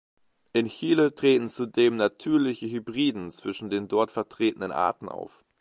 In Chile treten zudem natürliche Hybriden zwischen den dort vertretenen Arten auf.